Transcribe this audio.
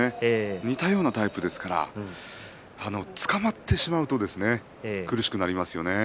似たようなタイプですからつかまってしまうと苦しくなりますね。